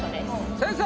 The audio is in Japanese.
先生！